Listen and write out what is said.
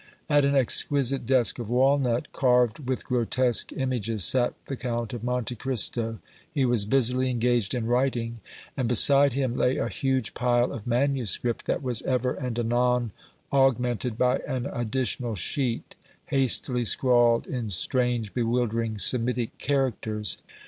At an exquisite desk of walnut, carved with grotesque images, sat the Count of Monte Cristo; he was busily engaged in writing, and beside him lay a huge pile of manuscript that was ever and anon augmented by an additional sheet, hastily scrawled in strange, bewildering Semitic characters.